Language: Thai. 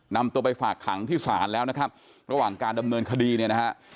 นำตัวไปฝากขังที่ศาลแล้วนะครับระหว่างการดำเนินคดีเนี่ยนะฮะ